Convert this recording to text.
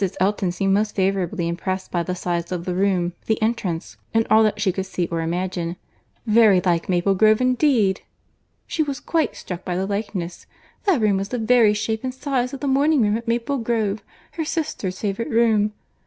Elton seemed most favourably impressed by the size of the room, the entrance, and all that she could see or imagine. "Very like Maple Grove indeed!—She was quite struck by the likeness!—That room was the very shape and size of the morning room at Maple Grove; her sister's favourite room."—Mr.